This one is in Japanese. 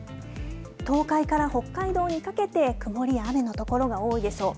東海から北海道にかけて、曇りや雨の所が多いでしょう。